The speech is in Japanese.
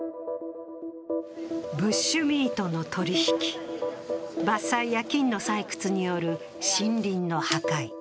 ブッシュミートの取引、伐採や金の採掘による森林の破壊